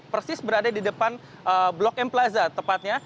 persis berada di depan blok m plaza tepatnya